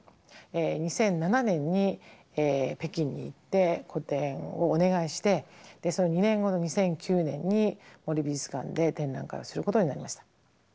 ２００７年に北京に行って個展をお願いしてその２年後の２００９年に森美術館で展覧会をすることになりました。